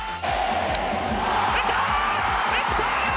打った！